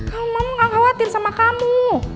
kamu mama gak khawatir sama kamu